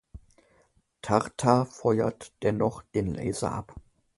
Tartar feuert dennoch den Laser ab.